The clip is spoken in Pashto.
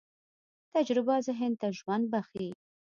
تجربه ذهن ته ژوند بښي.